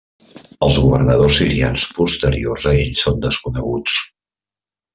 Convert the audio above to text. Els governadors sirians posteriors a ell són desconeguts.